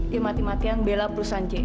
dia mati matian bela perusahaan c